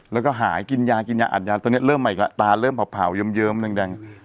แล้วก็หายกินยากินยาอัดยาตอนนี้เริ่มมาอีกแล้วตาเริ่มเผาเยิ้มแดง